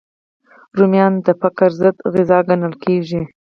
رومیان د فقر ضد غذا ګڼل کېږي